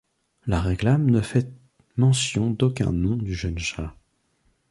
La réclame ne fait mention d'aucun nom du jeune chat.